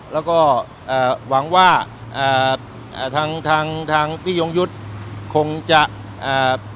แล้วก็อ่าหวังว่าอ่าอ่าทางทางทางพี่ยงยุทธ์คงจะอ่า